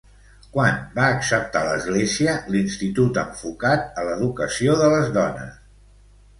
Quan va acceptar l'Església l'institut enfocat a l'educació de les dones?